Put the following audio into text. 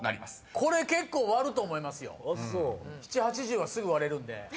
７０８０はすぐ割れるんで。